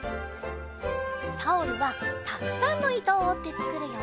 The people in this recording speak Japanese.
タオルはたくさんのいとをおってつくるよ。